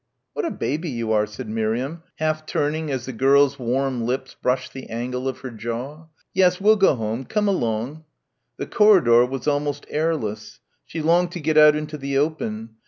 "What a baby you are," said Miriam, half turning as the girl's warm lips brushed the angle of her jaw. "Yes, we'll go home, come along." The corridor was almost airless. She longed to get out into the open.